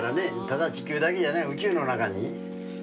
ただ地球だけじゃない宇宙の中に。